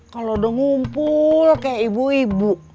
kalau udah ngumpul kayak ibu ibu